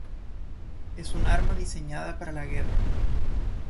Es un arma diseñada para la guerra.